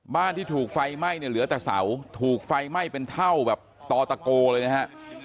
ที่ถูกไฟไหม้เนี่ยเหลือแต่เสาถูกไฟไหม้เป็นเท่าแบบต่อตะโกเลยนะฮะ